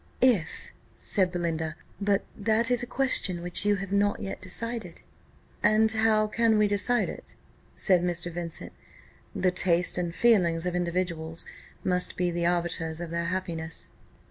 "If," said Belinda; "but that is a question which you have not yet decided." "And how can we decide it?" said Mr. Vincent, "The taste and feelings of individuals must be the arbiters of their happiness."